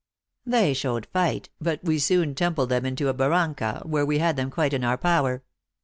They showed fight, but we soon tumbled them into a barranca, where we had them quite in our power.